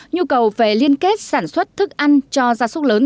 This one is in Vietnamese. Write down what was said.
nhu cầu về liên kết sản xuất thức ăn cho gia súc lớn